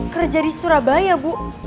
kerja di surabaya bu